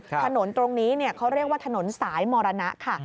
ถนนตรงนี้เขาเรียกว่าถนนสายมรณะค่ะ